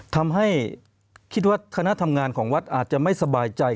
ทำให้คิดว่าคณะทำงานของวัดอาจจะไม่สบายใจ